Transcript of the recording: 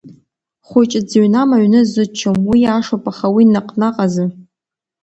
Хәыҷ дзыҩнам аҩны зыччом, уи иашоуп, аха уи наҟ-наҟ азы.